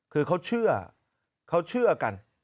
คือเขาเชื่อเขาเชื่อกัน